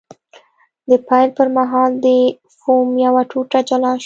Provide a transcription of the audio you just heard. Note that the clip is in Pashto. د پیل پر مهال د فوم یوه ټوټه جلا شوه.